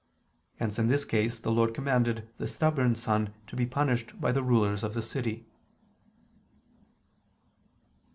Hence in this case the Lord commanded the stubborn son to be punished by the rulers of the city.